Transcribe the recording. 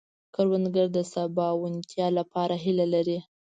کروندګر د سباوونتیا لپاره هيله لري